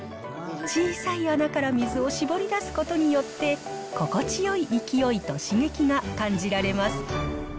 小さい穴から水を絞り出すことによって、心地よい勢いと刺激が感じられます。